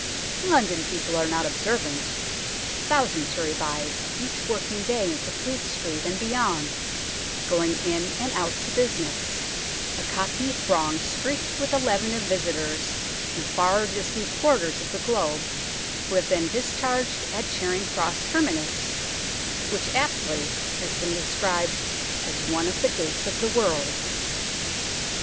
London people are not observant. Thousands hurry by each working day into Fleet Street and beyond, going in and out to business, a Cockney throng streaked with a leaven of visitors from fer distant quarters of the globe who have been discharged at Charing Cross terminus, which aptly has been described as one of the gates of the world.